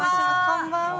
こんばんは！